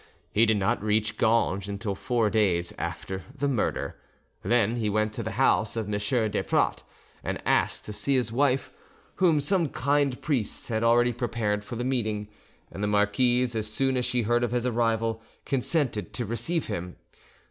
He did not reach Ganges until four days after the murder, then he went to the house of M. Desprats and asked to see his wife, whom some kind priests had already prepared for the meeting; and the marquise, as soon as she heard of his arrival, consented to receive him.